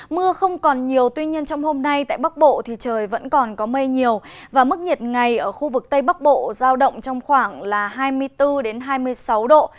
mưa không còn nhiều tuy nhiên trong hôm nay tại bắc bộ thì trời vẫn còn có mây nhiều và mức nhiệt ngày ở khu vực tây bắc bộ giao động trong khoảng là hai mươi bốn hai mươi sáu độ